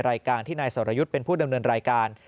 รายการที่นายสรยุทธ์เป็นผู้ดำเนินรายการ